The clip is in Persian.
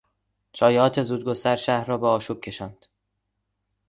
شایعات زودگستر شهر را به آشوب کشاند.